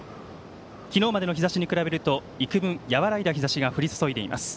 昨日までの日ざしに比べると幾分、和らいだ日ざしが降り注いでいます。